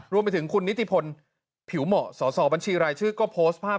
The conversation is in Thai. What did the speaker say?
รวมไปถึงคุณนิติพลผิวเหมาะสอสอบัญชีรายชื่อก็โพสต์ภาพ